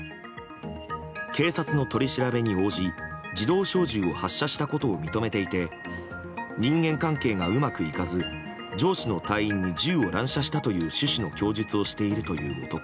警察の取り調べに応じ自動小銃を発射したことを認めていて人間関係がうまくいかず上司の隊員に銃を乱射したという趣旨の供述をしている男。